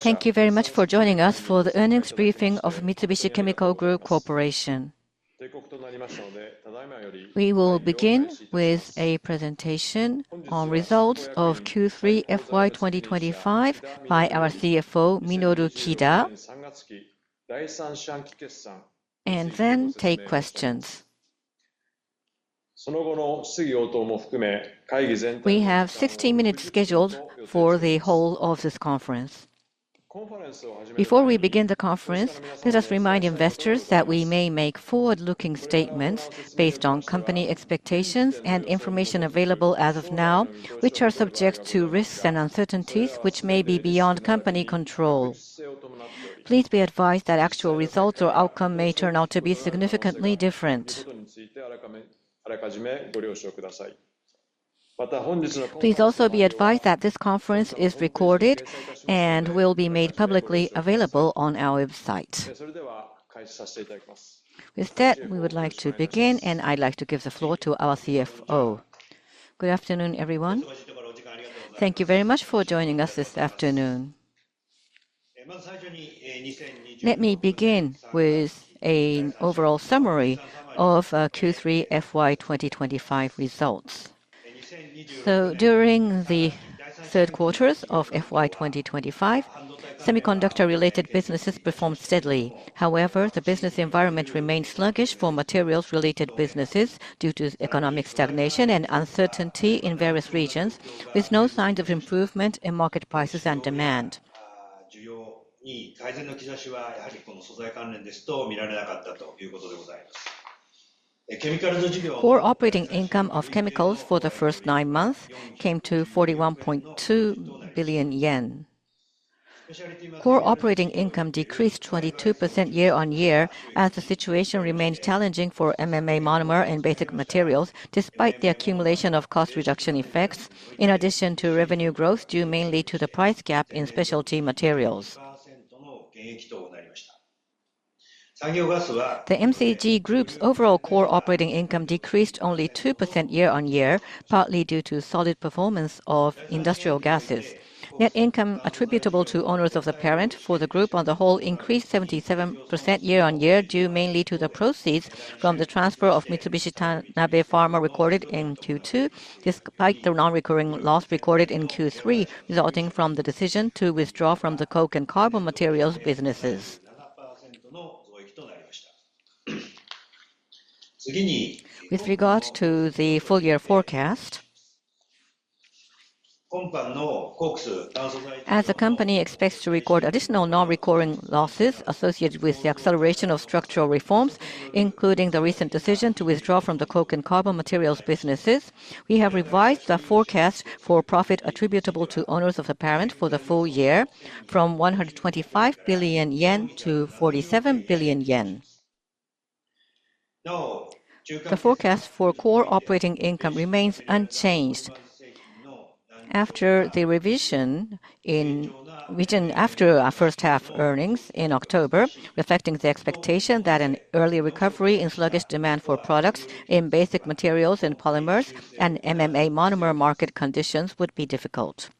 Thank you very much for joining us for the earnings briefing of Mitsubishi Chemical Group Corporation. We will begin with a presentation on results of Q3 FY25 by our CFO, Minoru Kida. Then take questions. We have 16 minutes scheduled for the whole of this conference. Before we begin the conference, let us remind investors that we may make forward-looking statements based on company expectations and information available as of now, which are subject to risks and uncertainties which may be beyond company control. Please be advised that actual results or outcome may turn out to be significantly different. Please also be advised that this conference is recorded and will be made publicly available on our website. With that, we would like to begin, and I'd like to give the floor to our CFO. Good afternoon, everyone. Thank you very much for joining us this afternoon. Let me begin with an overall summary of Q3 FY 2025 results. During the third quarter of FY 2025, semiconductor-related businesses performed steadily. However, the business environment remained sluggish for materials-related businesses due to economic stagnation and uncertainty in various regions, with no signs of improvement in market prices and demand. Core operating income of chemicals for the first nine months came to 41.2 billion yen. Core operating income decreased 22% year-on-year as the situation remained challenging for MMA monomer and basic materials, despite the accumulation of cost reduction effects, in addition to revenue growth due mainly to the price gap in specialty materials. The MCG Group's overall core operating income decreased only 2% year-on-year, partly due to solid performance of industrial gases. Net income attributable to owners of the parent for the group on the whole increased 77% year-on-year due mainly to the proceeds from the transfer of Mitsubishi Tanabe Pharma recorded in Q2, despite the non-recurring loss recorded in Q3 resulting from the decision to withdraw from the coke and carbon materials businesses. With regard to the full-year forecast, as the company expects to record additional non-recurring losses associated with the acceleration of structural reforms, including the recent decision to withdraw from the coke and carbon materials businesses, we have revised the forecast for profit attributable to owners of the parent for the full year from 125 billion yen to 47 billion yen. The forecast for core operating income remains unchanged after the revision after our first half earnings in October, reflecting the expectation that an early recovery in sluggish demand for products in basic materials and polymers and MMA monomer market conditions would be difficult.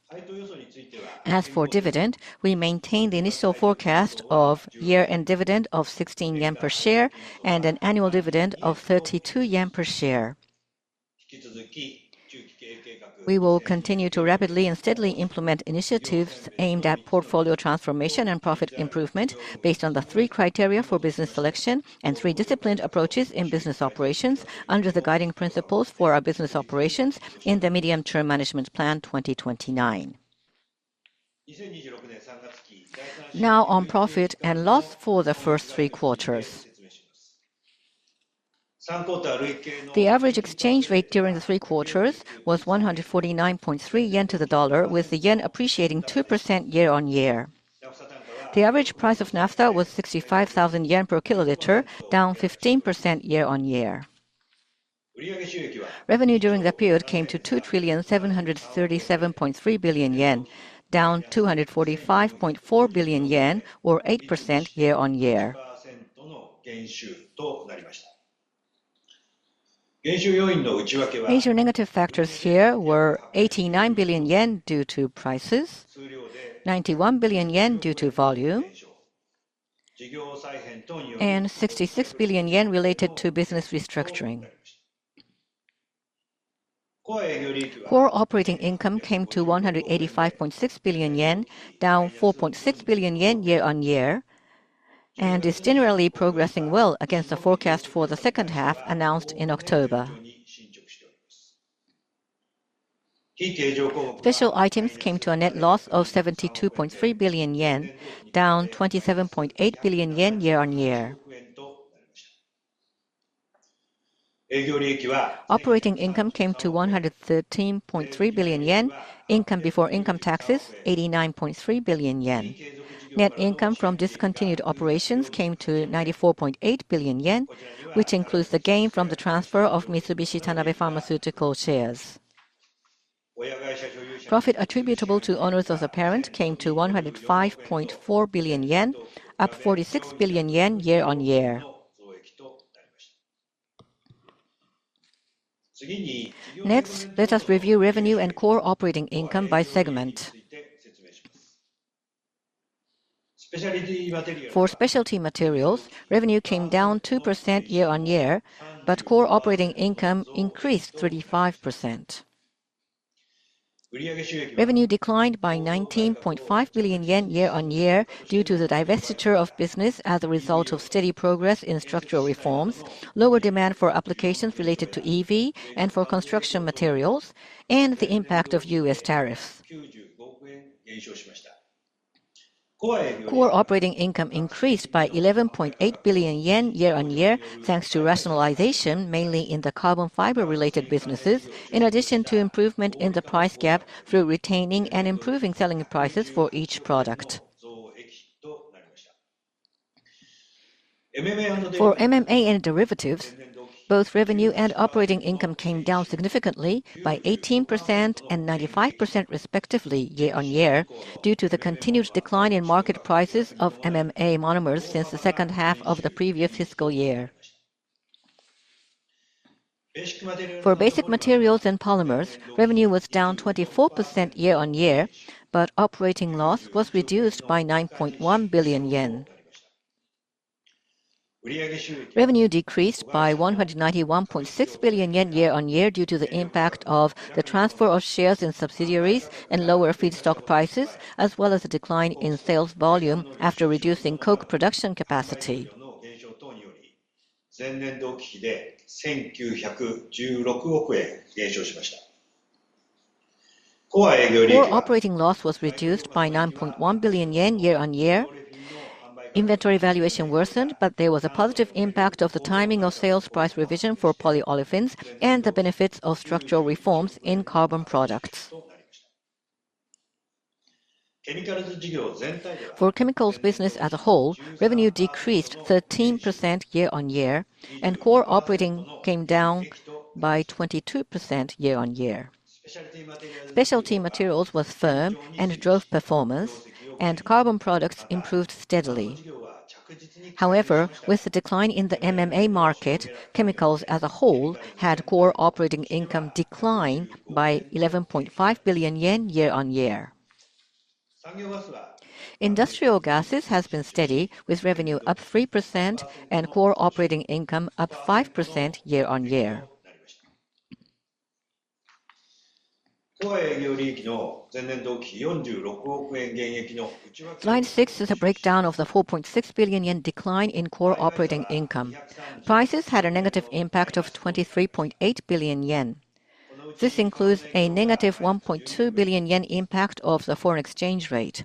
As for dividend, we maintain the initial forecast of year-end dividend of 16 yen per share and an annual dividend of 32 yen per share. We will continue to rapidly and steadily implement initiatives aimed at portfolio transformation and profit improvement based on the three criteria for business selection and three disciplined approaches in business operations under the guiding principles for our business operations in the Medium-Term Management Plan 2029. Now on profit and loss for the first three quarters. The average exchange rate during the three quarters was 149.3 yen to the USD, with the yen appreciating 2% year-on-year. The average price of naphtha was 65,000 yen per kiloliter, down 15% year-over-year. Revenue during the period came to 2,737.3 billion yen, down 245.4 billion yen, or 8% year-over-year. Major negative factors here were 89 billion yen due to prices, 91 billion yen due to volume, and 66 billion yen related to business restructuring. Core operating income came to 185.6 billion yen, down 4.6 billion yen year-over-year, and is generally progressing well against the forecast for the second half announced in October. Special items came to a net loss of 72.3 billion yen, down 27.8 billion yen year-over-year. Operating income came to 113.3 billion yen, income before income taxes 89.3 billion yen. Net income from discontinued operations came to 94.8 billion yen, which includes the gain from the transfer of Mitsubishi Tanabe Pharma shares. Profit attributable to owners of the parent came to 105.4 billion yen, up 46 billion yen year-on-year. Next, let us review revenue and core operating income by segment. For specialty materials, revenue came down 2% year-on-year, but core operating income increased 35%. Revenue declined by 19.5 billion yen year-on-year due to the divestiture of business as a result of steady progress in structural reforms, lower demand for applications related to EV and for construction materials, and the impact of U.S. tariffs. Core operating income increased by 11.8 billion yen year-on-year thanks to rationalization mainly in the carbon fiber-related businesses, in addition to improvement in the price gap through retaining and improving selling prices for each product. For MMA and derivatives, both revenue and operating income came down significantly by 18% and 95% respectively year-on-year due to the continued decline in market prices of MMA monomers since the second half of the previous fiscal year. For basic materials and polymers, revenue was down 24% year-on-year, but operating loss was reduced by 9.1 billion yen. Revenue decreased by 191.6 billion yen year-on-year due to the impact of the transfer of shares in subsidiaries and lower feedstock prices, as well as the decline in sales volume after reducing coke production capacity. Core operating loss was reduced by 9.1 billion yen year-on-year. Inventory valuation worsened, but there was a positive impact of the timing of sales price revision for polyolefins and the benefits of structural reforms in carbon products. For chemicals business as a whole, revenue decreased 13% year-on-year, and core operating came down by 22% year-on-year. Specialty materials was firm and drove performance, and carbon products improved steadily. However, with the decline in the MMA market, chemicals as a whole had core operating income decline by 11.5 billion yen year-on-year. Industrial gases has been steady, with revenue up 3% and core operating income up 5% year-on-year. Line 6 is a breakdown of the 4.6 billion yen decline in core operating income. Prices had a negative impact of 23.8 billion yen. This includes a negative 1.2 billion yen impact of the foreign exchange rate.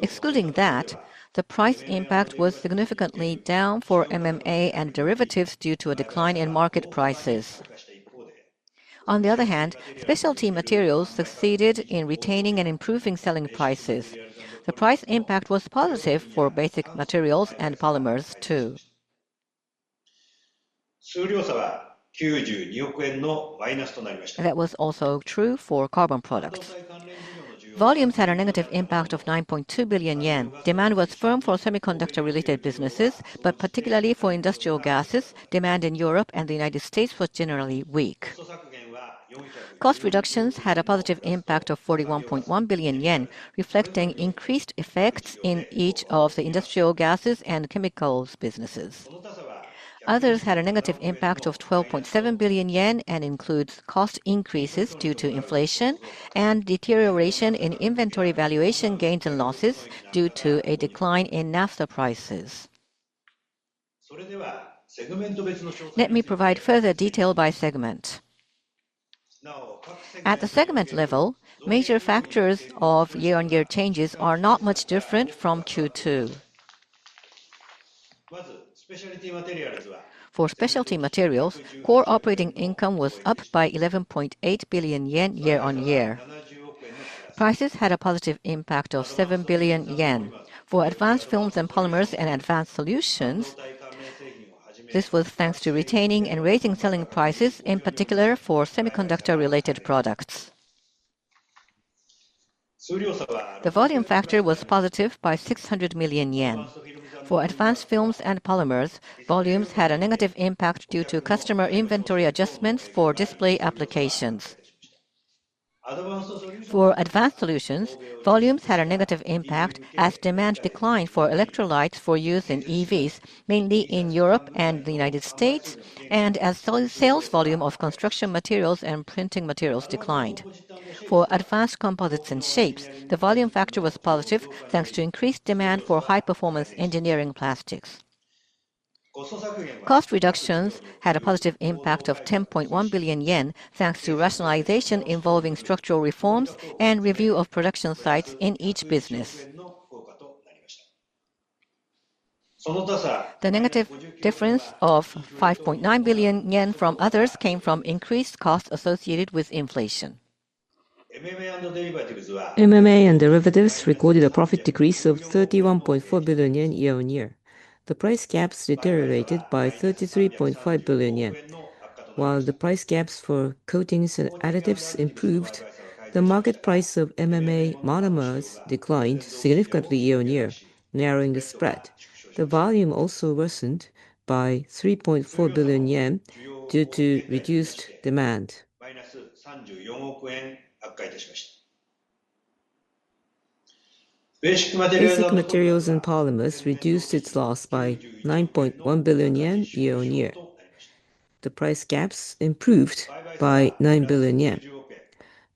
Excluding that, the price impact was significantly down for MMA and derivatives due to a decline in market prices. On the other hand, specialty materials succeeded in retaining and improving selling prices. The price impact was positive for basic materials and polymers too. That was also true for carbon products. Volumes had a negative impact of 9.2 billion yen. Demand was firm for semiconductor-related businesses, but particularly for industrial gases, demand in Europe and the United States was generally weak. Cost reductions had a positive impact of 41.1 billion yen, reflecting increased effects in each of the industrial gases and chemicals businesses. Others had a negative impact of 12.7 billion yen and includes cost increases due to inflation and deterioration in inventory valuation gains and losses due to a decline in naphtha prices. Let me provide further detail by segment. At the segment level, major factors of year-on-year changes are not much different from Q2. For specialty materials, core operating income was up by 11.8 billion yen year-on-year. Prices had a positive impact of 7 billion yen. For advanced films and polymers and advanced solutions, this was thanks to retaining and raising selling prices, in particular for semiconductor-related products. The volume factor was positive by 600 million yen. For advanced films and polymers, volumes had a negative impact due to customer inventory adjustments for display applications. For advanced solutions, volumes had a negative impact as demand declined for electrolytes for use in EVs, mainly in Europe and the United States, and as sales volume of construction materials and printing materials declined. For advanced composites and shapes, the volume factor was positive thanks to increased demand for high-performance engineering plastics. Cost reductions had a positive impact of 10.1 billion yen thanks to rationalization involving structural reforms and review of production sites in each business. The negative difference of 5.9 billion yen from others came from increased costs associated with inflation. MMA and derivatives recorded a profit decrease of 31.4 billion yen year-on-year. The price gaps deteriorated by 33.5 billion yen. While the price gaps for coatings and additives improved, the market price of MMA monomers declined significantly year-on-year, narrowing the spread. The volume also worsened by 3.4 billion yen due to reduced demand. Basic materials and polymers reduced its loss by 9.1 billion yen year-on-year. The price gaps improved by 9 billion yen.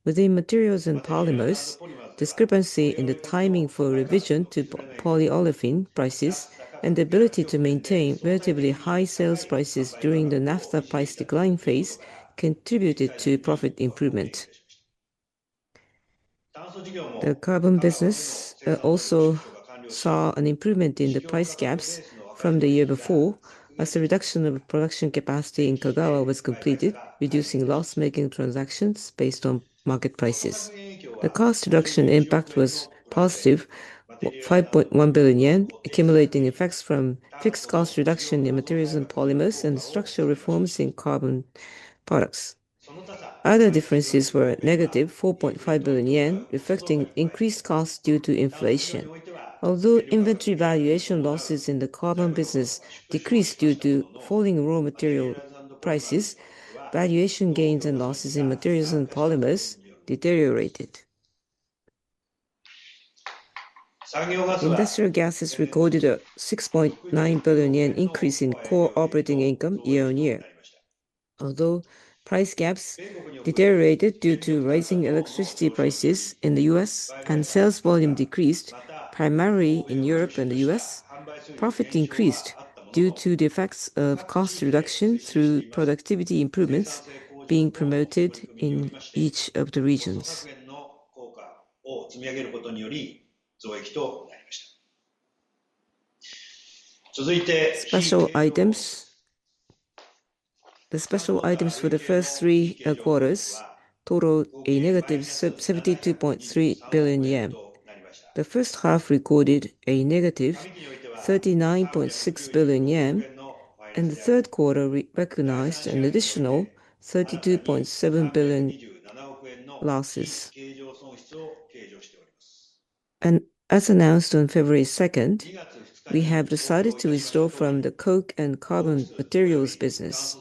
Within materials and polymers, discrepancy in the timing for revision to polyolefin prices and the ability to maintain relatively high sales prices during the naphtha price decline phase contributed to profit improvement. The carbon business also saw an improvement in the price gaps from the year before as the reduction of production capacity in Kagawa was completed, reducing loss-making transactions based on market prices. The cost reduction impact was positive 5.1 billion yen, accumulating effects from fixed cost reduction in materials and polymers and structural reforms in carbon products. Other differences were negative 4.5 billion yen, reflecting increased costs due to inflation. Although inventory valuation losses in the carbon business decreased due to falling raw material prices, valuation gains and losses in materials and polymers deteriorated. Industrial gases recorded a 6.9 billion yen increase in core operating income year-on-year. Although price gaps deteriorated due to rising electricity prices in the U.S. and sales volume decreased, primarily in Europe and the U.S., profit increased due to the effects of cost reduction through productivity improvements being promoted in each of the regions. The special items for the first three quarters totaled a negative 72.3 billion yen. The first half recorded a negative 39.6 billion yen, and the third quarter recognized an additional 32.7 billion losses. As announced on February 2, we have decided to withdraw from the coke and carbon materials business.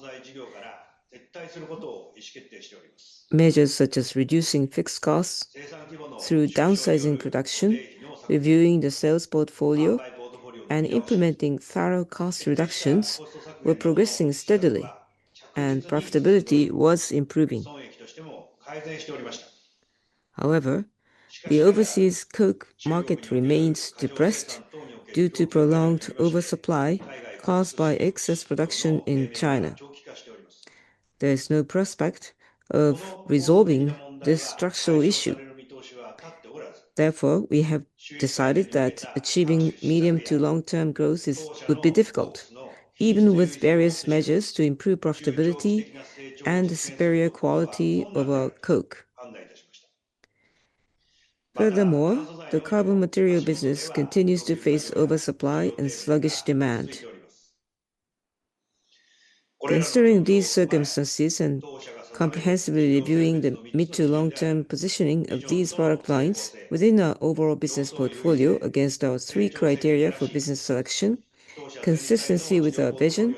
Measures such as reducing fixed costs through downsizing production, reviewing the sales portfolio, and implementing thorough cost reductions were progressing steadily, and profitability was improving. However, the overseas coke market remains depressed due to prolonged oversupply caused by excess production in China. There is no prospect of resolving this structural issue. Therefore, we have decided that achieving medium to long-term growth would be difficult, even with various measures to improve profitability and superior quality of our coke. Furthermore, the carbon material business continues to face oversupply and sluggish demand. Considering these circumstances and comprehensively reviewing the mid to long-term positioning of these product lines within our overall business portfolio against our three criteria for business selection, consistency with our vision,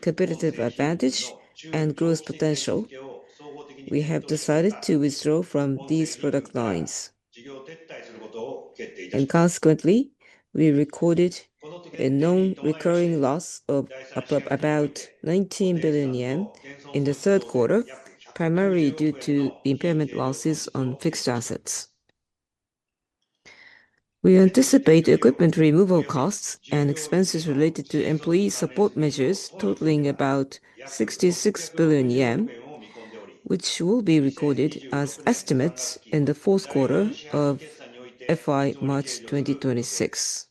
competitive advantage, and growth potential, we have decided to withdraw from these product lines. And consequently, we recorded a known recurring loss of about 19 billion yen in the third quarter, primarily due to impairment losses on fixed assets. We anticipate equipment removal costs and expenses related to employee support measures totaling about 66 billion yen, which will be recorded as estimates in the fourth quarter of FY March 2026.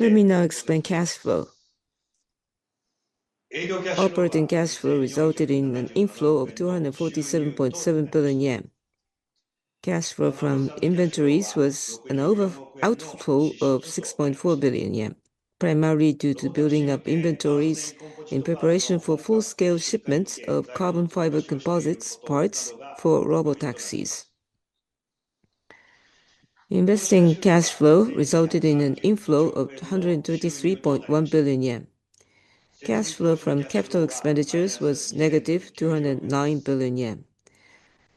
Let me now explain cash flow. Operating cash flow resulted in an inflow of 247.7 billion yen. Cash flow from inventories was an outflow of 6.4 billion yen, primarily due to building up inventories in preparation for full-scale shipments of carbon fiber composites parts for robotaxis. Investing cash flow resulted in an inflow of 133.1 billion yen. Cash flow from capital expenditures was negative 209 billion yen.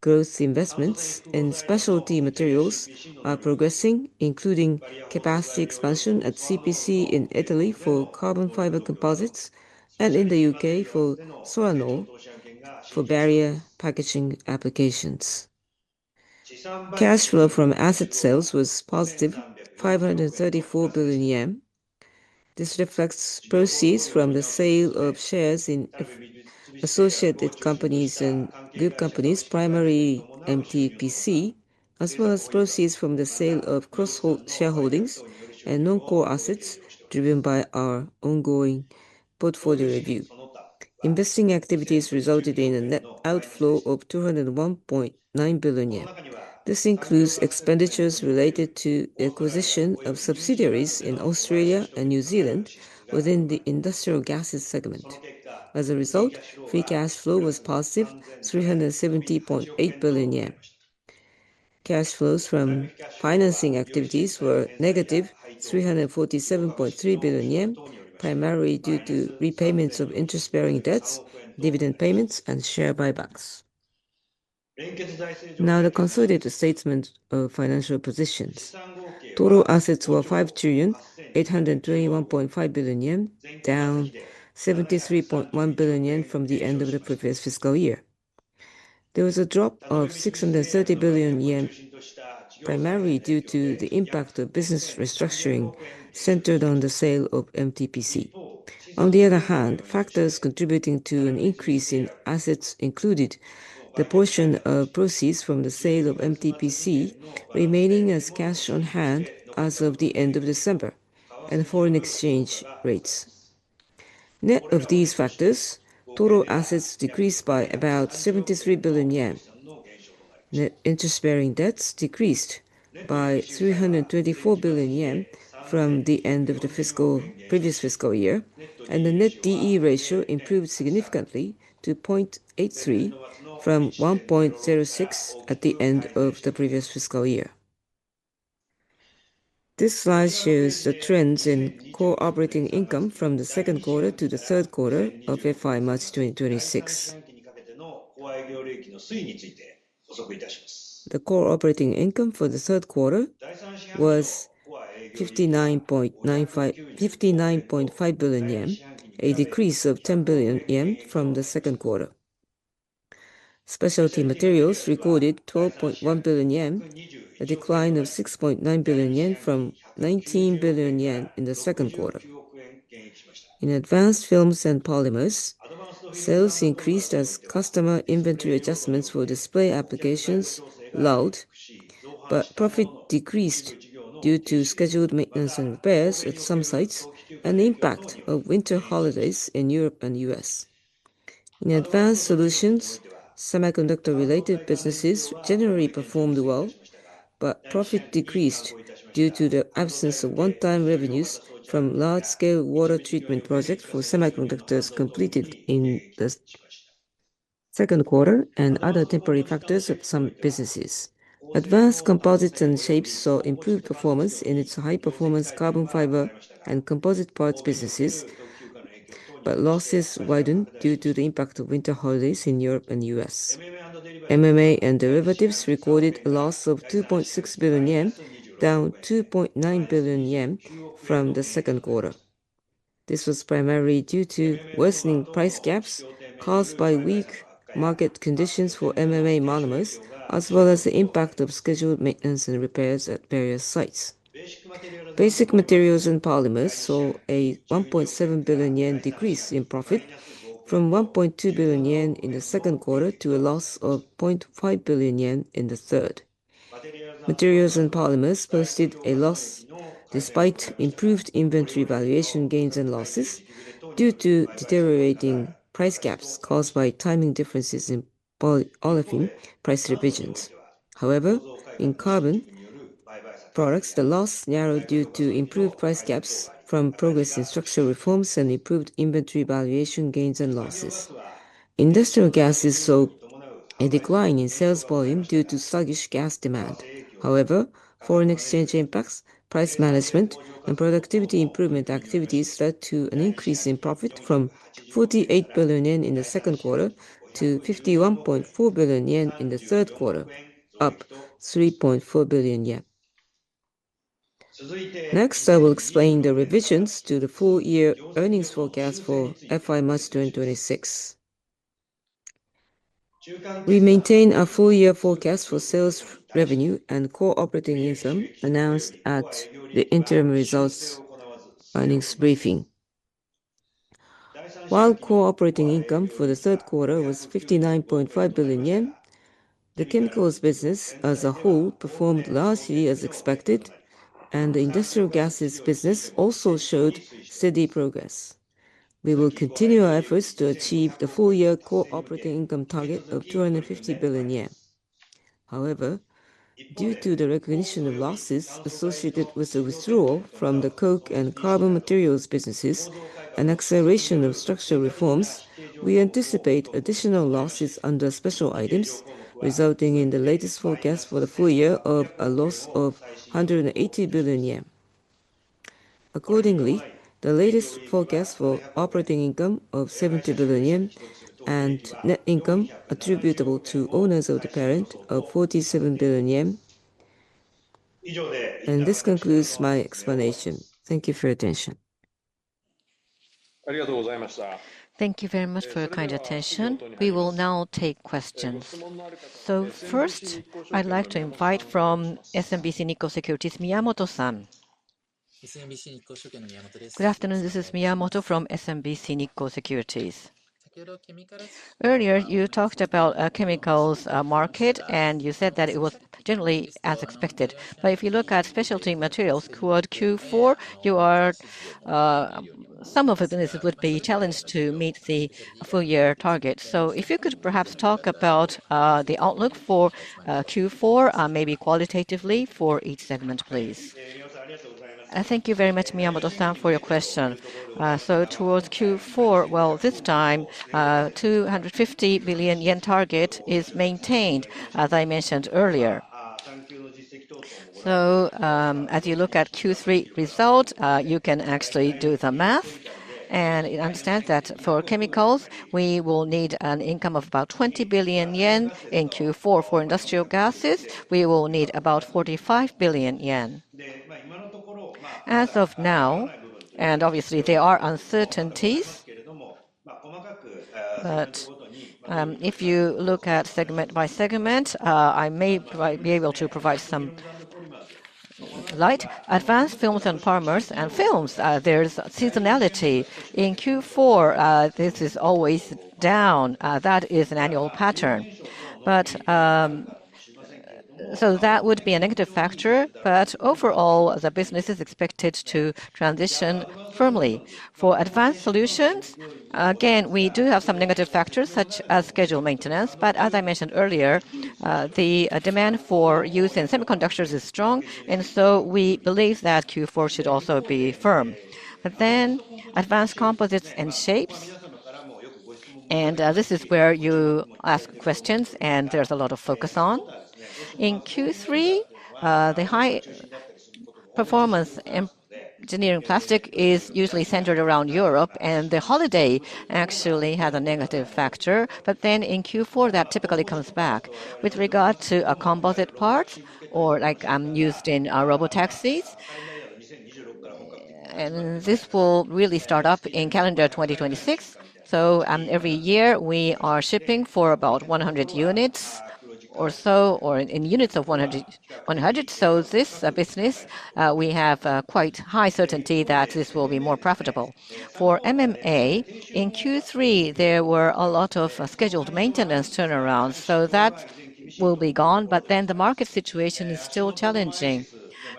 Growth investments in specialty materials are progressing, including capacity expansion at CPC in Italy for carbon fiber composites and in the U.K. for Soarnol for barrier packaging applications. Cash flow from asset sales was positive 534 billion yen. This reflects proceeds from the sale of shares in associated companies and group companies, primarily MTPC, as well as proceeds from the sale of cross-shareholdings and non-core assets driven by our ongoing portfolio review. Investing activities resulted in an outflow of 201.9 billion yen. This includes expenditures related to the acquisition of subsidiaries in Australia and New Zealand within the industrial gases segment. As a result, free cash flow was positive 370.8 billion yen. Cash flows from financing activities were negative 347.3 billion yen, primarily due to repayments of interest-bearing debts, dividend payments, and share buybacks. Now the consolidated statement of financial positions. Total assets were 5,821.5 billion yen, down 73.1 billion yen from the end of the previous fiscal year. There was a drop of 630 billion yen, primarily due to the impact of business restructuring centered on the sale of MTPC. On the other hand, factors contributing to an increase in assets included the portion of proceeds from the sale of MTPC remaining as cash on hand as of the end of December and foreign exchange rates. Net of these factors, total assets decreased by about 73 billion yen. Net interest-bearing debts decreased by 324 billion yen from the end of the previous fiscal year, and the net DE ratio improved significantly to 0.83 from 1.06 at the end of the previous fiscal year. This slide shows the trends in core operating income from the second quarter to the third quarter of FY March 2026. The core operating income for the third quarter was 59.5 billion yen, a decrease of 10 billion yen from the second quarter. Specialty materials recorded 12.1 billion yen, a decline of 6.9 billion yen from 19 billion yen in the second quarter. In advanced films and polymers, sales increased as customer inventory adjustments for display applications allowed, but profit decreased due to scheduled maintenance and repairs at some sites and the impact of winter holidays in Europe and the U.S. In advanced solutions, semiconductor-related businesses generally performed well, but profit decreased due to the absence of one-time revenues from large-scale water treatment projects for semiconductors completed in the second quarter and other temporary factors at some businesses. Advanced composites and shapes saw improved performance in its high-performance carbon fiber and composite parts businesses, but losses widened due to the impact of winter holidays in Europe and the U.S. MMA and derivatives recorded a loss of 2.6 billion yen, down 2.9 billion yen from the second quarter. This was primarily due to worsening price gaps caused by weak market conditions for MMA monomers, as well as the impact of scheduled maintenance and repairs at various sites. Basic materials and polymers saw a 1.7 billion yen decrease in profit from 1.2 billion yen in the second quarter to a loss of 0.5 billion yen in the third. Materials and polymers posted a loss despite improved inventory valuation gains and losses due to deteriorating price gaps caused by timing differences in polyolefin price revisions. However, in carbon products, the loss narrowed due to improved price gaps from progress in structural reforms and improved inventory valuation gains and losses. Industrial gases saw a decline in sales volume due to sluggish gas demand. However, foreign exchange impacts, price management, and productivity improvement activities led to an increase in profit from 48 billion yen in the second quarter to 51.4 billion yen in the third quarter, up 3.4 billion yen. Next, I will explain the revisions to the full-year earnings forecast for FY March 2026. We maintain a full-year forecast for sales revenue and core operating income announced at the interim results earnings briefing. While core operating income for the third quarter was 59.5 billion yen, the chemicals business as a whole performed largely as expected, and the industrial gases business also showed steady progress. We will continue our efforts to achieve the full-year core operating income target of 250 billion yen. However, due to the recognition of losses associated with the withdrawal from the coke and carbon materials businesses and acceleration of structural reforms, we anticipate additional losses under special items, resulting in the latest forecast for the full year of a loss of 180 billion yen. Accordingly, the latest forecast for operating income of 70 billion yen and net income attributable to owners of the parent of 47 billion yen. This concludes my explanation. Thank you for your attention. Thank you very much for your kind attention. We will now take questions. So first, I'd like to invite from SMBC Nikko Securities, Miyamoto-san. Good afternoon. This is Miyamoto from SMBC Nikko Securities. Earlier, you talked about a chemicals market, and you said that it was generally as expected. But if you look at specialty materials toward Q4, some of the businesses would be challenged to meet the full-year target. So if you could perhaps talk about the outlook for Q4, maybe qualitatively for each segment, please. Thank you very much, Miyamoto-san, for your question. So towards Q4, well, this time, the 250 billion yen target is maintained, as I mentioned earlier. So as you look at Q3 results, you can actually do the math and understand that for chemicals, we will need an income of about 20 billion yen in Q4. For industrial gases, we will need about 45 billion yen. As of now, and obviously, there are uncertainties. But if you look at segment by segment, I may be able to provide some light. Advanced films and foams and films, there's seasonality. In Q4, this is always down. That is an annual pattern. So that would be a negative factor. But overall, the business is expected to transition firmly. For advanced solutions, again, we do have some negative factors such as scheduled maintenance. But as I mentioned earlier, the demand for use in semiconductors is strong, and so we believe that Q4 should also be firm. Then, advanced composites and shapes. And this is where you ask questions, and there's a lot of focus on. In Q3, the high performance engineering plastic is usually centered around Europe, and the holiday actually has a negative factor. But then in Q4, that typically comes back with regard to composite parts or like used in robotaxis. This will really start up in calendar 2026. Every year, we are shipping for about 100 units or so or in units of 100. This business, we have quite high certainty that this will be more profitable. For MMA, in Q3, there were a lot of scheduled maintenance turnarounds, so that will be gone. Then the market situation is still challenging.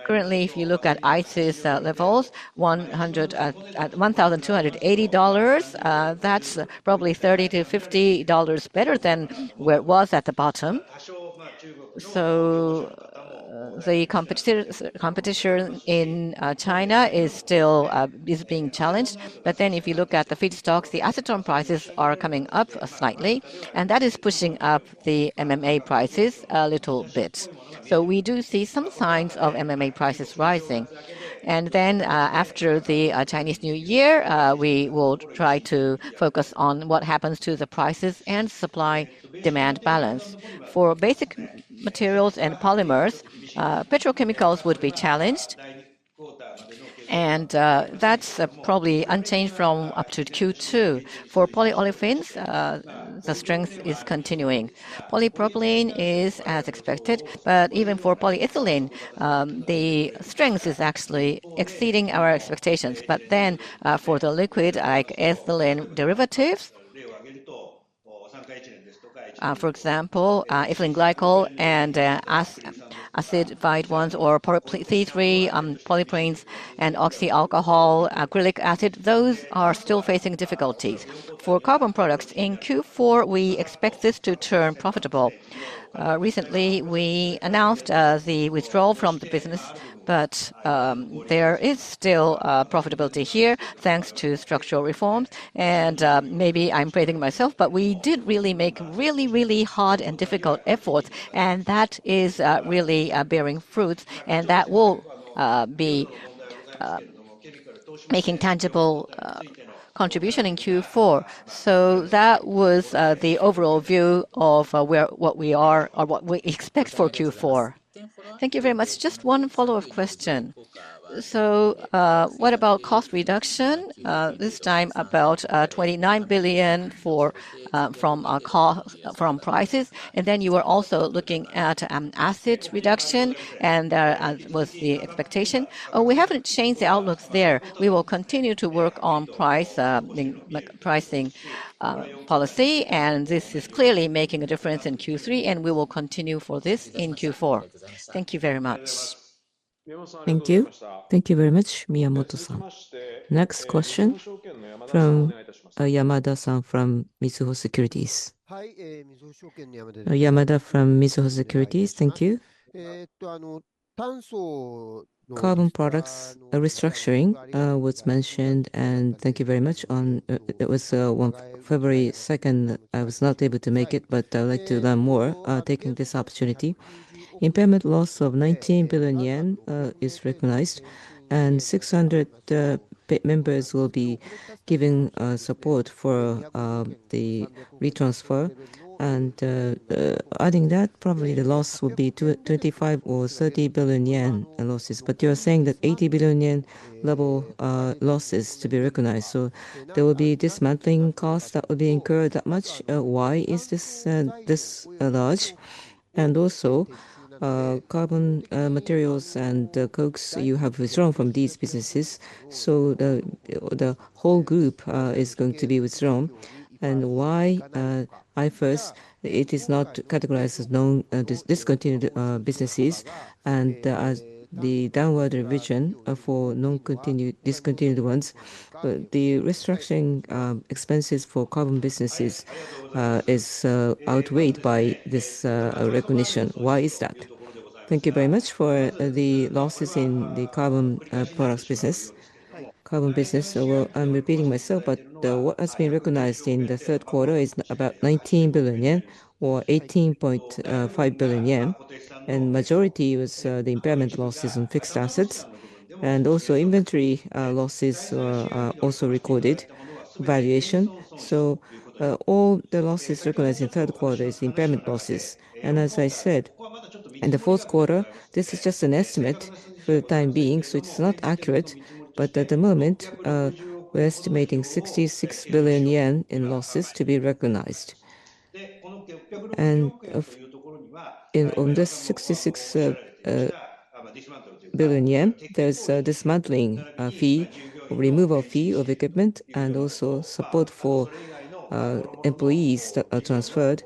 Currently, if you look at ICIS levels, at $1,280, that's probably $30 to $50 better than where it was at the bottom. The competition in China is still being challenged. Then if you look at the feedstocks, the acetone prices are coming up slightly, and that is pushing up the MMA prices a little bit. We do see some signs of MMA prices rising. Then after the Chinese New Year, we will try to focus on what happens to the prices and supply-demand balance. For basic materials and polymers, petrochemicals would be challenged. That's probably unchanged from up to Q2. For polyolefins, the strength is continuing. Polypropylene is as expected. Even for polyethylene, the strength is actually exceeding our expectations. Then for the liquid, like ethylene derivatives, for example, ethylene glycol and acetone or C3 polypropylenes and oxo alcohol, acrylic acid, those are still facing difficulties. For carbon products, in Q4, we expect this to turn profitable. Recently, we announced the withdrawal from the business, but there is still profitability here thanks to structural reforms. Maybe I'm praising myself, but we did really make really, really hard and difficult efforts, and that is really bearing fruits. That will be making tangible contribution in Q4. That was the overall view of what we are or what we expect for Q4. Thank you very much. Just one follow-up question. What about cost reduction? This time about 29 billion from prices. And then you were also looking at cost reduction, and that was the expectation. We haven't changed the outlooks there. We will continue to work on pricing policy, and this is clearly making a difference in Q3, and we will continue for this in Q4. Thank you very much. Thank you. Thank you very much, Miyamoto-san. Next question from Yamada-san from Mizuho Securities. Yamada from Mizuho Securities. Thank you. Carbon products restructuring was mentioned, and thank you very much. It was February 2nd. I was not able to make it, but I would like to learn more, taking this opportunity. Impairment loss of 19 billion yen is recognized, and 600 members will be giving support for the retransfer. Adding that, probably the loss will be 25 billion or 30 billion yen losses. But you are saying that 80 billion yen level losses to be recognized. So there will be dismantling costs that will be incurred. Why is this large? Also, carbon materials and coke you have withdrawn from these businesses, so the whole group is going to be withdrawn. And why IFRS, it is not categorized as discontinued businesses, and as the downward revision for discontinued ones, the restructuring expenses for carbon businesses are outweighed by this recognition. Why is that? Thank you very much for the losses in the carbon products business. Carbon business, well, I'm repeating myself, but what has been recognized in the third quarter is about 19 billion yen or 18.5 billion yen. The majority was the impairment losses on fixed assets. Inventory losses were also recorded, valuation. So all the losses recognized in the third quarter is the impairment losses. As I said, in the fourth quarter, this is just an estimate for the time being, so it's not accurate. But at the moment, we're estimating 66 billion yen in losses to be recognized. On this 66 billion yen, there's a dismantling fee, a removal fee of equipment, and also support for employees transferred.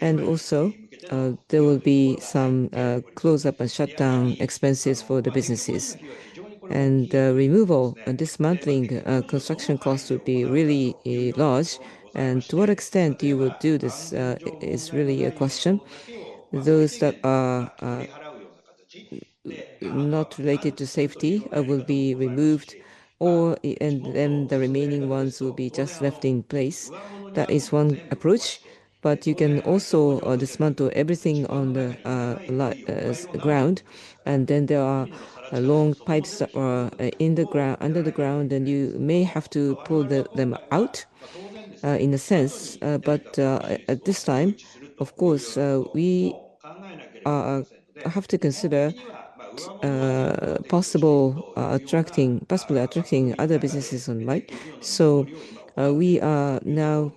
There will be some close-up and shutdown expenses for the businesses. The removal, dismantling construction costs would be really large. To what extent you would do this is really a question. Those that are not related to safety will be removed, and then the remaining ones will be just left in place. That is one approach. But you can also dismantle everything on the ground, and then there are long pipes under the ground, and you may have to pull them out in a sense. But at this time, of course, we have to consider possibly attracting other businesses online. So we are now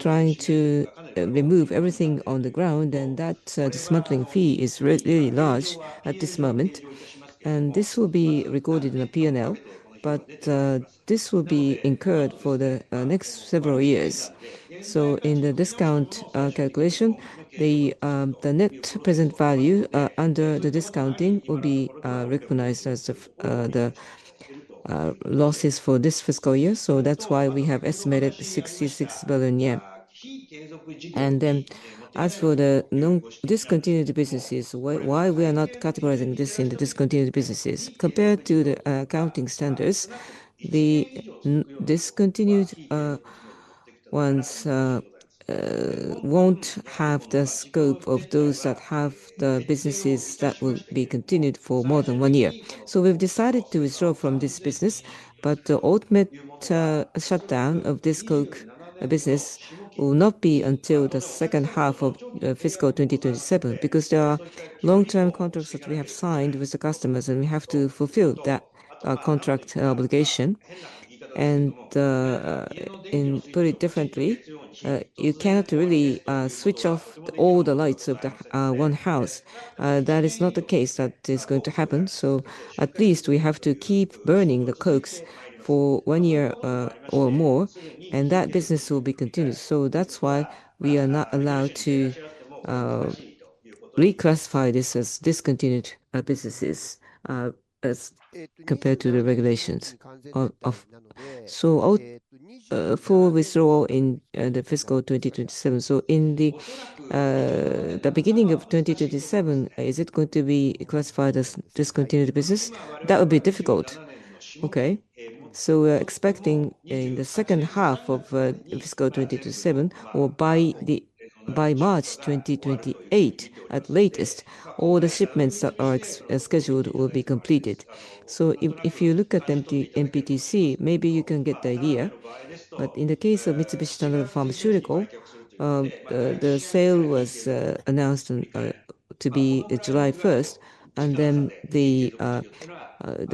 trying to remove everything on the ground, and that dismantling fee is really large at this moment. And this will be recorded in a P&L, but this will be incurred for the next several years. So in the discount calculation, the net present value under the discounting will be recognized as the losses for this fiscal year. So that's why we have estimated 66 billion yen. And then as for the long discontinued businesses, why we are not categorizing this in the discontinued businesses? Compared to the accounting standards, the discontinued ones won't have the scope of those that have the businesses that will be continued for more than one year. So we've decided to withdraw from this business, but the ultimate shutdown of this coke business will not be until the second half of fiscal 2027 because there are long-term contracts that we have signed with the customers, and we have to fulfill that contract obligation. And put it differently, you cannot really switch off all the lights of one house. That is not the case that is going to happen. So at least we have to keep burning the cokes for one year or more, and that business will be continued. So that's why we are not allowed to reclassify this as discontinued businesses as compared to the regulations. So for withdrawal in the fiscal 2027, so in the beginning of 2027, is it going to be classified as discontinued business? That would be difficult. Okay. So we're expecting in the second half of fiscal 2027 or by March 2028, at the latest, all the shipments that are scheduled will be completed. So if you look at MPTC, maybe you can get the idea. But in the case of Mitsubishi Tanabe Pharma Corporation, the sale was announced to be July 1st, and then the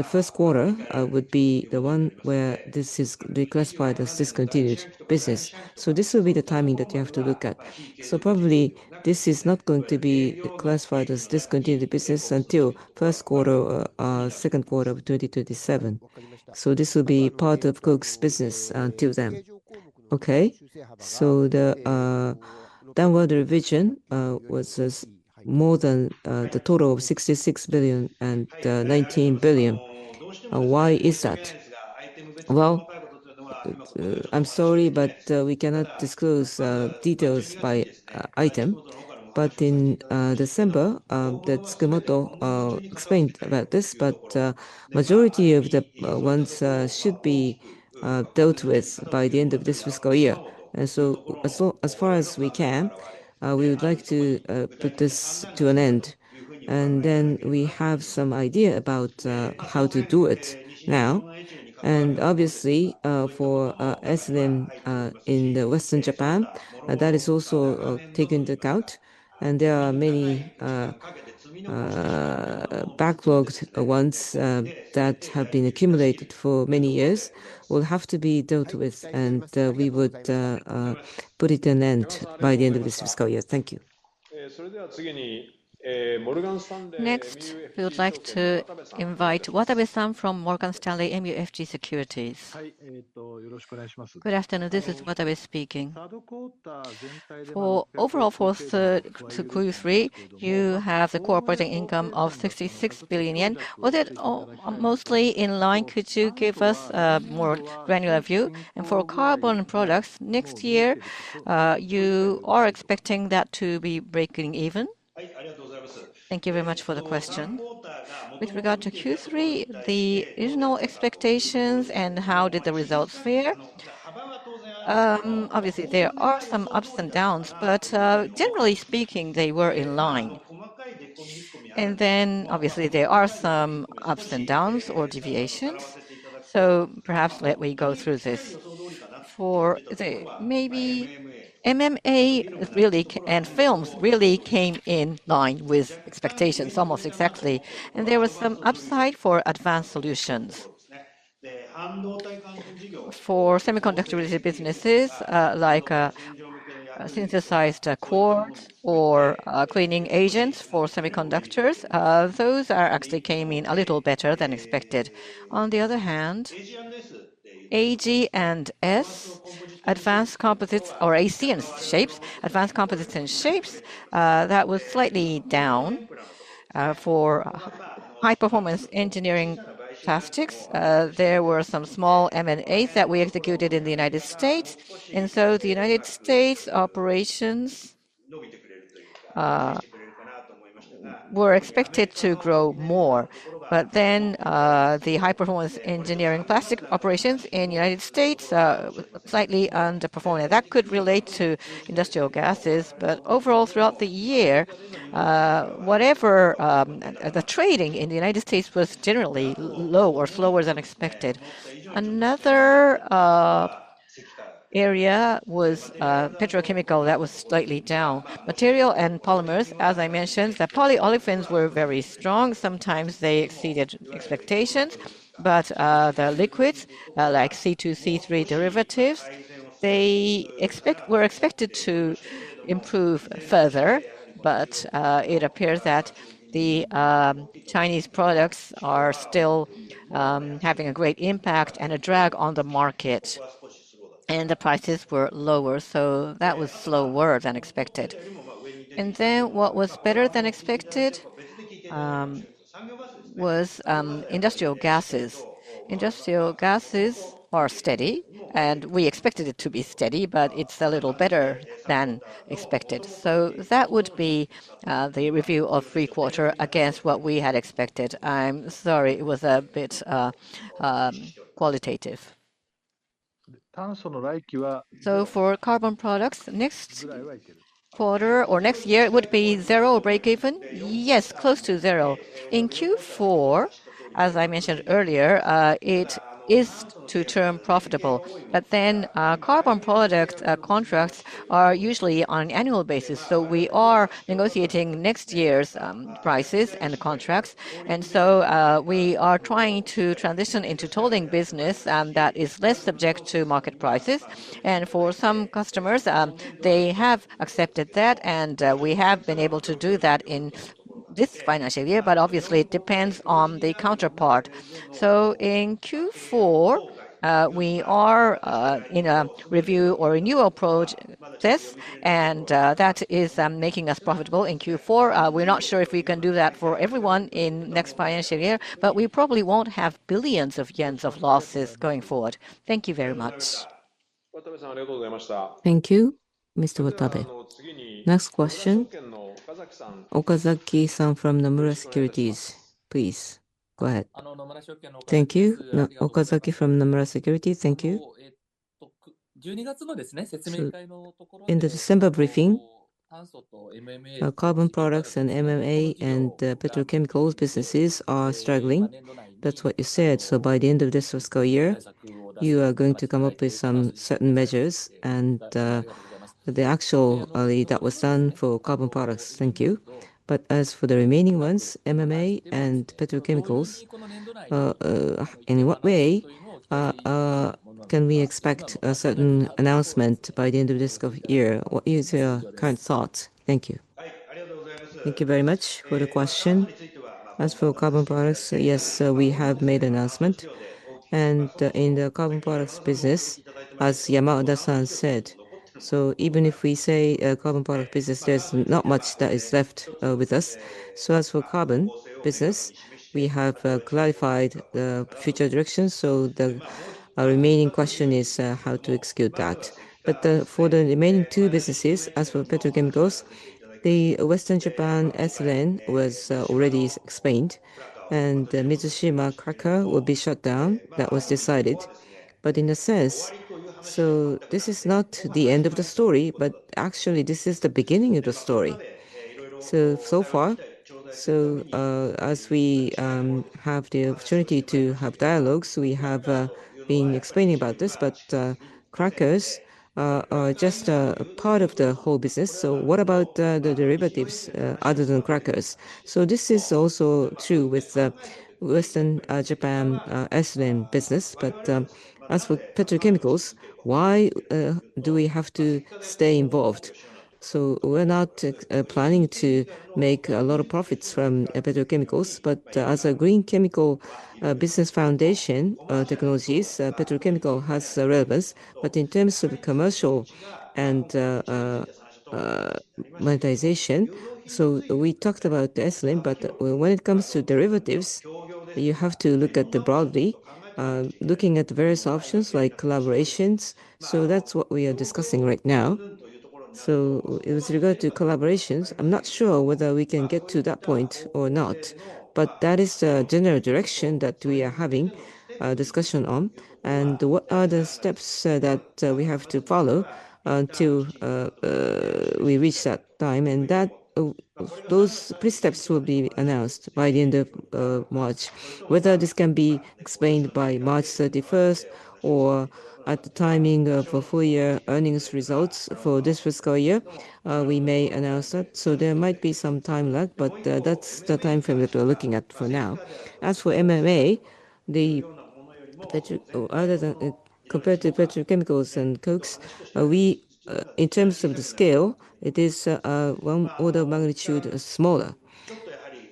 first quarter would be the one where this is reclassified as discontinued business. So this will be the timing that you have to look at. So probably this is not going to be classified as discontinued business until first quarter, second quarter of 2027. So this will be part of coke's business until then. Okay. So the downward revision was more than the total of 66 billion and 19 billion. Why is that? Well, I'm sorry, but we cannot disclose details by item. But in December, Chikumoto explained about this, but the majority of the ones should be dealt with by the end of this fiscal year. And so as far as we can, we would like to put this to an end. And then we have some idea about how to do it now. And obviously, for ethylene in Western Japan, that is also taken into account. And there are many backlogged ones that have been accumulated for many years will have to be dealt with, and we would put it to an end by the end of this fiscal year. Thank you. Next, we would like to invite Watanabe-san from Morgan Stanley MUFG Securities. Good afternoon. This is Watanabe speaking. For overall for Q3, you have a core operating income of 66 billion yen. Was it mostly in line? Could you give us a more granular view? And for carbon products, next year, you are expecting that to be breaking even? Thank you very much for the question. With regard to Q3, the original expectations and how did the results fare? Obviously, there are some ups and downs, but generally speaking, they were in line. And then obviously, there are some ups and downs or deviations. So perhaps let me go through this. For maybe MMA really and films really came in line with expectations almost exactly. And there was some upside for advanced solutions. For semiconductor-related businesses like synthesized cords or cleaning agents for semiconductors, those actually came in a little better than expected. On the other hand, AG and S, advanced composites or AC and shapes, advanced composites and shapes, that was slightly down. For high-performance engineering plastics, there were some small M&As that we executed in the United States. And so the United States operations were expected to grow more. But then the high-performance engineering plastic operations in the United States were slightly underperforming. That could relate to industrial gases. But overall, throughout the year, whatever the trading in the United States was generally low or slower than expected. Another area was petrochemical that was slightly down. Material and polymers, as I mentioned, the polyolefins were very strong. Sometimes they exceeded expectations. But the liquids, like C2, C3 derivatives, they were expected to improve further. But it appears that the Chinese products are still having a great impact and a drag on the market, and the prices were lower. So that was slower than expected. Then what was better than expected was industrial gases. Industrial gases are steady, and we expected it to be steady, but it's a little better than expected. So that would be the review of third quarter against what we had expected. I'm sorry, it was a bit qualitative. So for carbon products, next quarter or next year, it would be zero or break even? Yes, close to zero. In Q4, as I mentioned earlier, it is short-term profitable. But then carbon product contracts are usually on an annual basis. So we are negotiating next year's prices and contracts. And so we are trying to transition into tolling business that is less subject to market prices. And for some customers, they have accepted that, and we have been able to do that in this financial year. But obviously, it depends on the counterpart. So in Q4, we are in a review or renewal process, and that is making us profitable in Q4. We're not sure if we can do that for everyone in next financial year, but we probably won't have billions of JPY of losses going forward. Thank you very much. Thank you, Mr. Watanabe. Next question. Okazaki-san from Nomura Securities, please. Go ahead. Thank you, Okazaki from Nomura Securities. Thank you. In the December briefing, carbon products and MMA and petrochemicals businesses are struggling. That's what you said. So by the end of this fiscal year, you are going to come up with some certain measures. And the actual that was done for carbon products, thank you. But as for the remaining ones, MMA and petrochemicals, in what way can we expect a certain announcement by the end of this year? What is your current thought? Thank you. Thank you very much for the question. As for carbon products, yes, we have made an announcement. And in the carbon products business, as Yamada-san said, so even if we say carbon product business, there's not much that is left with us. So as for carbon business, we have clarified the future direction. So the remaining question is how to execute that. But for the remaining two businesses, as for petrochemicals, the Western Japan ethylene was already explained. And Mizushima Cracker will be shut down. That was decided. But in a sense, so this is not the end of the story, but actually, this is the beginning of the story. So far, so as we have the opportunity to have dialogues, we have been explaining about this. But crackers are just a part of the whole business. So what about the derivatives other than crackers? So this is also true with the Western Japan ethylene business. But as for petrochemicals, why do we have to stay involved? So we're not planning to make a lot of profits from petrochemicals. But as a green chemical business foundation technologies, petrochemical has relevance. But in terms of commercial and monetization, so we talked about ethylene. But when it comes to derivatives, you have to look at it broadly, looking at various options like collaborations. So that's what we are discussing right now. So with regard to collaborations, I'm not sure whether we can get to that point or not. But that is the general direction that we are having a discussion on. And what are the steps that we have to follow until we reach that time? And those pre-steps will be announced by the end of March. Whether this can be explained by March 31st or at the timing of full-year earnings results for this fiscal year, we may announce that. So there might be some time lag, but that's the time frame that we're looking at for now. As for MMA, other than compared to petrochemicals and cokes, in terms of the scale, it is one order of magnitude smaller.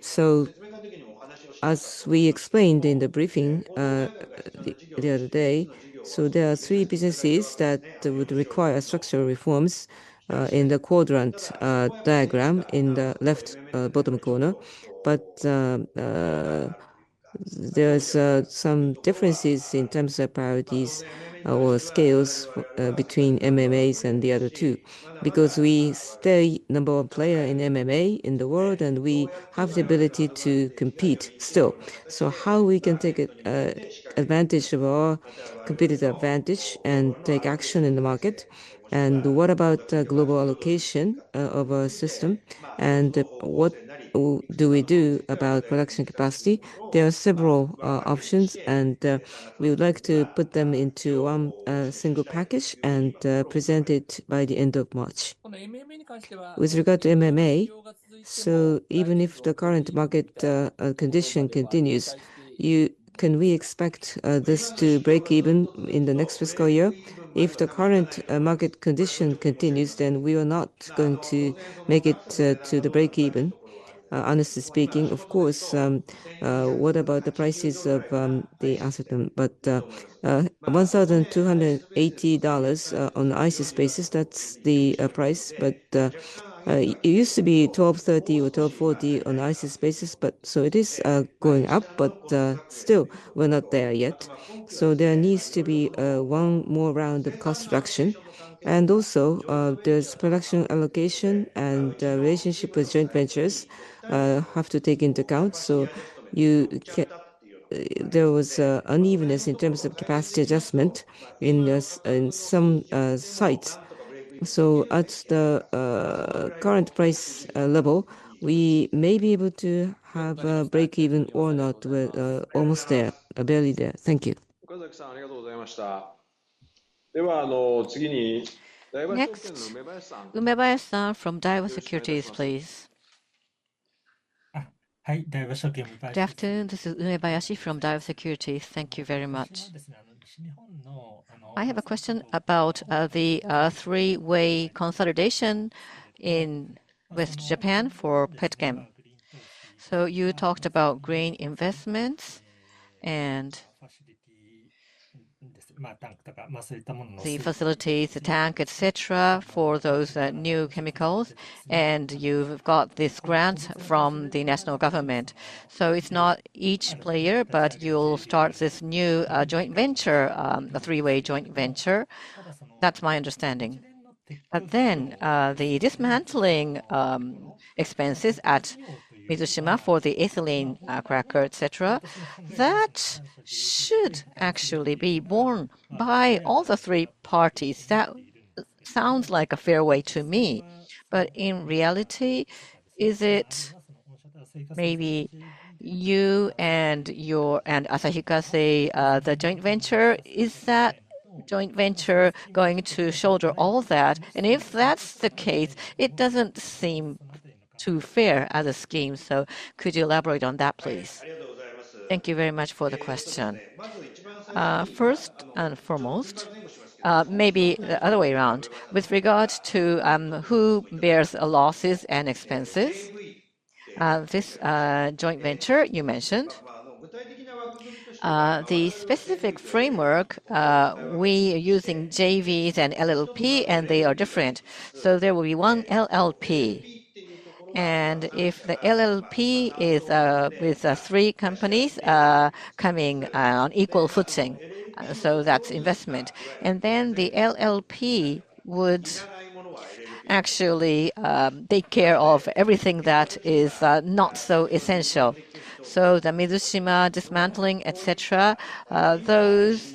So as we explained in the briefing the other day, so there are three businesses that would require structural reforms in the quadrant diagram in the left bottom corner. But there are some differences in terms of priorities or scales between MMAs and the other two because we stay number one player in MMA in the world, and we have the ability to compete still. So how we can take advantage of our competitive advantage and take action in the market. What about the global allocation of our system? What do we do about production capacity? There are several options, and we would like to put them into one single package and present it by the end of March. With regard to MMA, so even if the current market condition continues, can we expect this to break even in the next fiscal year? If the current market condition continues, then we are not going to make it to the break even, honestly speaking. Of course, what about the prices of the acetone? But $1,280 on the ICIS basis, that's the price. But it used to be $1,230 or $1,240 on the ICIS basis. So it is going up, but still, we're not there yet. So there needs to be one more round of cost reduction. And also, there's production allocation and relationship with joint ventures have to take into account. So there was unevenness in terms of capacity adjustment in some sites. So at the current price level, we may be able to have a break even or not. We're almost there, barely there. Thank you. Next, Umebayashi-san from Daiwa Securities, please. Good afternoon. This is Umebayashi from Daiwa Securities. Thank you very much. I have a question about the three-way consolidation in Western Japan for petchem. So you talked about green investments and the facilities, the tank, etc., for those new chemicals. And you've got this grant from the national government. So it's not each player, but you'll start this new joint venture, a three-way joint venture. That's my understanding. But then the dismantling expenses at Mizushima for the ethylene cracker, etc., that should actually be borne by all the three parties. That sounds like a fair way to me. But in reality, is it maybe you and Asahi Kasei the joint venture, is that joint venture going to shoulder all that? And if that's the case, it doesn't seem too fair as a scheme. So could you elaborate on that, please? Thank you very much for the question. First and foremost, maybe the other way around. With regard to who bears losses and expenses, this joint venture you mentioned, the specific framework, we are using JVs and LLP, and they are different. So there will be one LLP. And if the LLP is with three companies coming on equal footing, so that's investment. And then the LLP would actually take care of everything that is not so essential. So the Mizushima dismantling, etc., those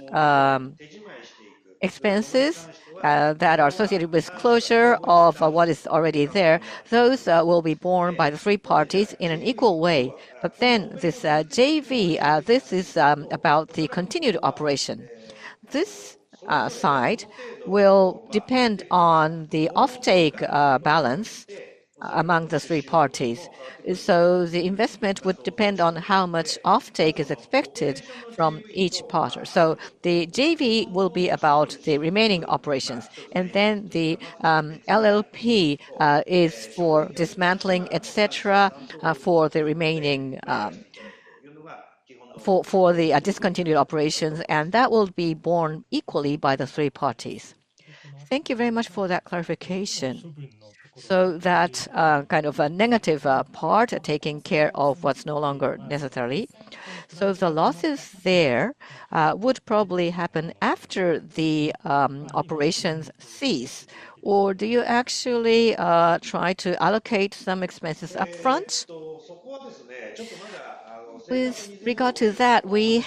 expenses that are associated with closure of what is already there, those will be borne by the three parties in an equal way. But then this JV, this is about the continued operation. This side will depend on the offtake balance among the three parties. So the investment would depend on how much offtake is expected from each partner. So the JV will be about the remaining operations. And then the LLP is for dismantling, etc., for the remaining for the discontinued operations. And that will be borne equally by the three parties. Thank you very much for that clarification. So that kind of a negative part, taking care of what's no longer necessary. So the losses there would probably happen after the operations cease. Or do you actually try to allocate some expenses upfront? With regard to that, we're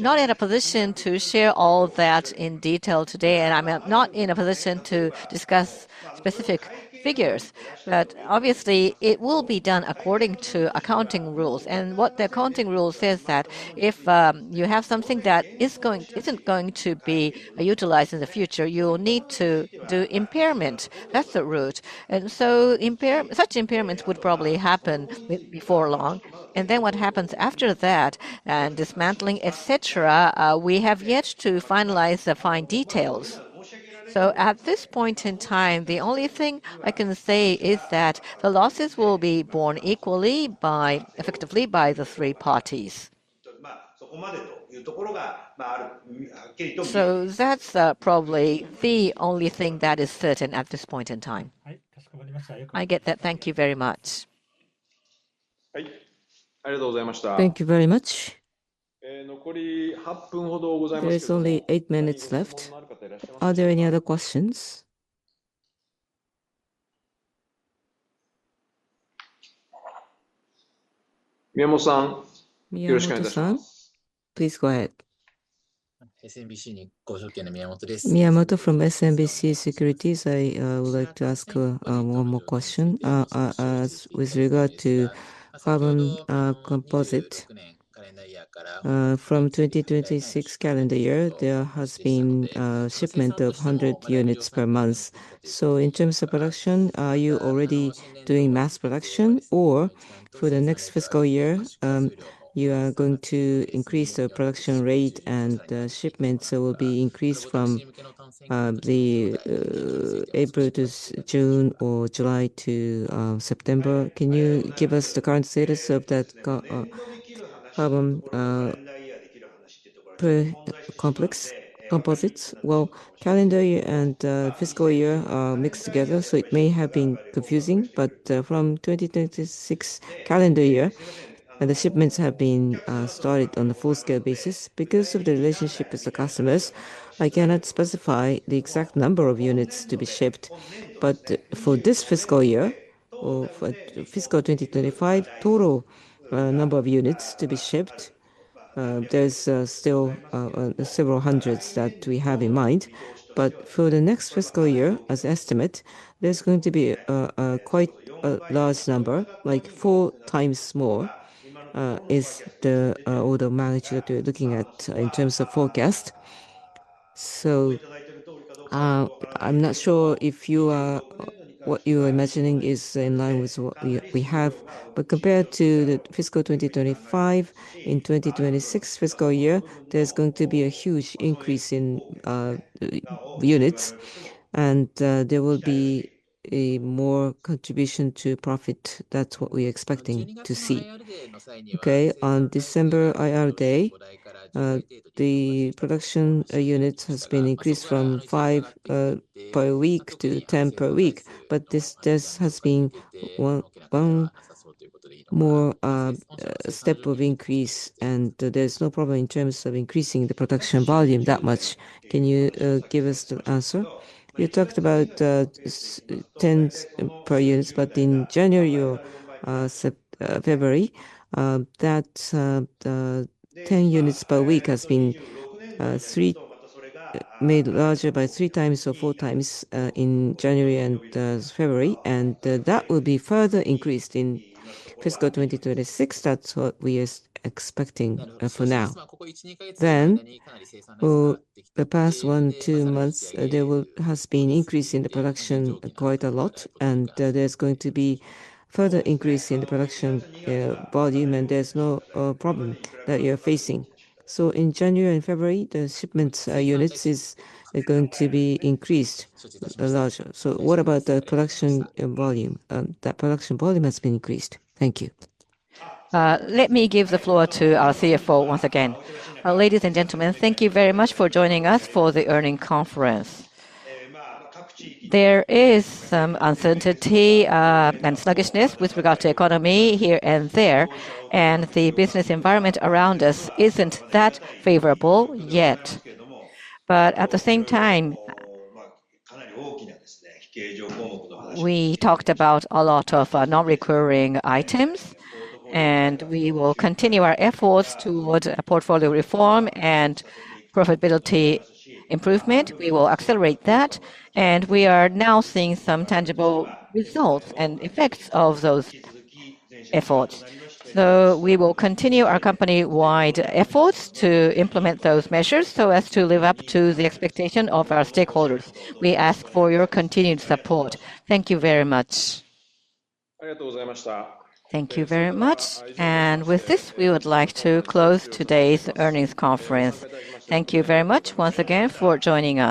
not in a position to share all that in detail today. And I'm not in a position to discuss specific figures. But obviously, it will be done according to accounting rules. And what the accounting rule says is that if you have something that isn't going to be utilized in the future, you'll need to do impairment. That's the route. And so such impairments would probably happen before long. And then what happens after that, dismantling, etc., we have yet to finalize the fine details. So at this point in time, the only thing I can say is that the losses will be borne equally, effectively, by the three parties. So that's probably the only thing that is certain at this point in time. I get that. Thank you very much. Are there any other questions? Miyamoto-san, you're welcome. Please go ahead. Miyamoto from SMBC Nikko Securities. I would like to ask one more question. With regard to carbon fiber composites, from 2026 calendar year, there has been shipment of 100 units per month. So in terms of production, are you already doing mass production? Or for the next fiscal year, you are going to increase the production rate and shipments will be increased from April to June or July to September? Can you give us the current status of that carbon fiber composites? Well, calendar year and fiscal year are mixed together, so it may have been confusing. But from 2026 calendar year, the shipments have been started on a full-scale basis. Because of the relationship with the customers, I cannot specify the exact number of units to be shipped. But for this fiscal year or fiscal 2025, total number of units to be shipped, there's still several hundreds that we have in mind. But for the next fiscal year, as an estimate, there's going to be quite a large number, like four times more is the order of magnitude that we're looking at in terms of forecast. So I'm not sure if what you're imagining is in line with what we have. But compared to the fiscal 2025, in 2026 fiscal year, there's going to be a huge increase in units. And there will be a more contribution to profit. That's what we're expecting to see. Okay? On December IR day, the production units have been increased from 5 per week to 10 per week. But this has been one more step of increase. And there's no problem in terms of increasing the production volume that much. Can you give us the answer? You talked about 10 per unit. But in January or February, that 10 units per week has been made larger by 3x or 4x in January and February. And that will be further increased in fiscal 2026. That's what we are expecting for now. Then, for the past 1, 2 months, there has been increase in the production quite a lot. And there's going to be further increase in the production volume. And there's no problem that you're facing. So in January and February, the shipment units are going to be increased larger. So what about the production volume? That production volume has been increased. Thank you. Let me give the floor to our CFO once again. Ladies and gentlemen, thank you very much for joining us for the earnings conference. There is some uncertainty and sluggishness with regard to economy here and there. The business environment around us isn't that favorable yet. But at the same time, we talked about a lot of non-recurring items. We will continue our efforts toward portfolio reform and profitability improvement. We will accelerate that. We are now seeing some tangible results and effects of those efforts. We will continue our company-wide efforts to implement those measures so as to live up to the expectation of our stakeholders. We ask for your continued support. Thank you very much. Thank you very much. With this, we would like to close today's earnings conference. Thank you very much once again for joining us.